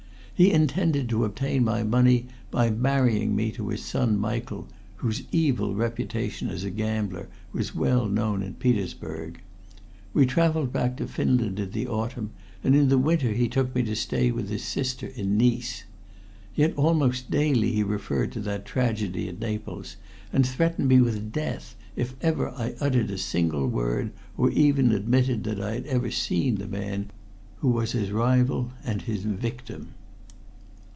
He intended to obtain my money by marrying me to his son Michael, whose evil reputation as a gambler was well known in Petersburg. We traveled back to Finland in the autumn, and in the winter he took me to stay with his sister in Nice. Yet almost daily he referred to that tragedy at Naples, and threatened me with death if ever I uttered a single word, or even admitted that I had ever seen the man who was his rival and his victim."